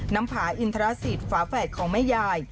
น้ำผาอินทรสิทธิ์ฝาแฝดของแม่ใหญ่